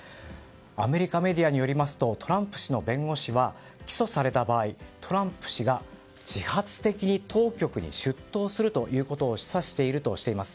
アメリカメディアによりますとトランプ氏の弁護士は起訴された場合トランプ氏が自発的に当局に出頭するということを示唆しているとしています。